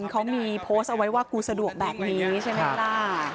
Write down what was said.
เขามีโพสต์เอาไว้ว่ากูสะดวกแบบนี้ใช่ไหมล่ะ